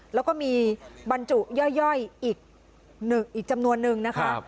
แล้วก็มีบรรจุย่อยย่อยอีกหนึ่งอีกจำนวนนึงนะคะ